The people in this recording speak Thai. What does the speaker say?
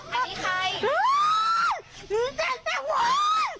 เว่นเว่น